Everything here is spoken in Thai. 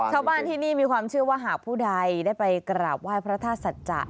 ชาวบ้านที่นี่มีความเชื่อว่าหากผู้ใดได้ไปกราบไหว้พระธาตุสัจจะ